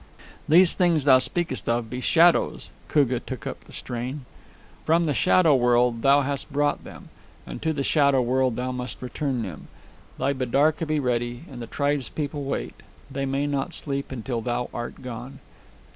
"These things thou speakest of be shadows," Koogah took up the strain. "From the shadow world thou hast brought them, and to the shadow world thou must return them. Thy bidarka be ready, and the tribespeople wait. They may not sleep until thou art gone."